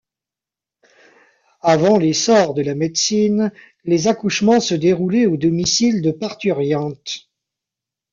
Avant l'essor de la médecine, les accouchements se déroulaient au domicile de parturiente.